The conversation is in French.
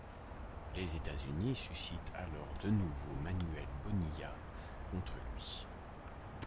Les États-Unis suscitent alors de nouveau Manuel Bonilla contre lui.